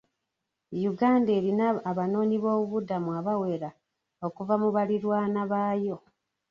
Uganda erina abanoonyiboobubudamu abawera okuva mu baliraanwa baayo.